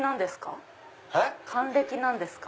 還暦なんですか？